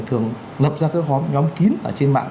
thường lập ra các nhóm kín ở trên mạng